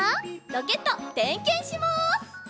ロケットてんけんします！